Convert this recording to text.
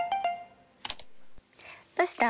どうした？